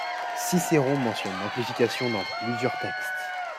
Cicéron mentionne l'amplification dans plusieurs textes.